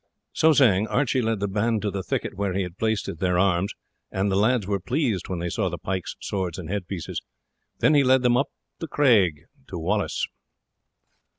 So saying Archie led the band to the thicket where he had placed their arms, and the lads were pleased when they saw the pikes, swords, and head pieces. Then he led them up the craig to Wallace.